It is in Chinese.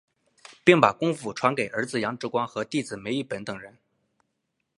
并把功夫传给儿子杨志光和弟子梅益本等人。